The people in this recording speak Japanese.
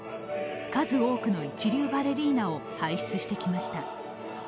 数多くの一流バレリーナを輩出してきました。